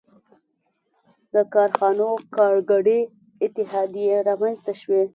• د کارخانو کارګري اتحادیې رامنځته شوې.